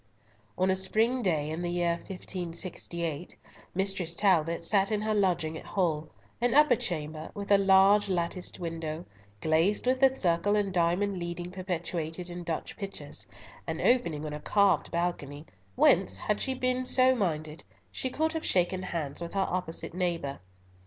On a spring day, in the year 1568, Mistress Talbot sat in her lodging at Hull, an upper chamber, with a large latticed window, glazed with the circle and diamond leading perpetuated in Dutch pictures, and opening on a carved balcony, whence, had she been so minded, she could have shaken hands with her opposite neighbour.